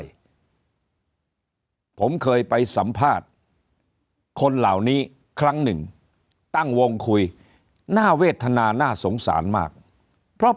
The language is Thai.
ผมเคยไปสัมภาษณ์คนเหล่านี้ครั้งหนึ่งตั้งวงคุยน่าเวทนาน่าสงสารมากเพราะ